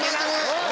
おい。